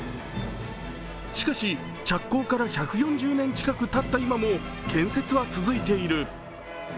しかし、着工から１４０年近くたった今も建設は続いている。